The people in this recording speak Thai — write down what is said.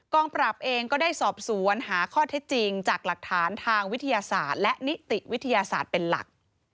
ปราบเองก็ได้สอบสวนหาข้อเท็จจริงจากหลักฐานทางวิทยาศาสตร์และนิติวิทยาศาสตร์เป็นหลัก